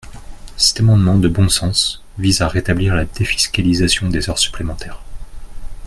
Cet amendement de bon sens vise à rétablir la défiscalisation des heures supplémentaires.